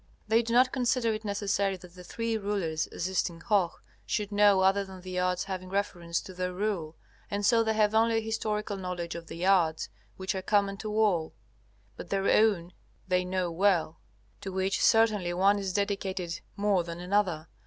They do not consider it necessary that the three rulers assisting Hoh should know other than the arts having reference to their rule, and so they have only a historical knowledge of the arts which are common to all. But their own they know well, to which certainly one is dedicated more than another.